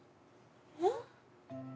えっ？